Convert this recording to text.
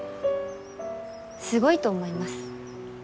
すごいと思います。